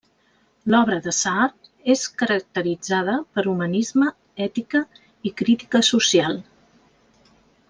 L'obra de Saar és caracteritzada per humanisme, ètica i crítica social.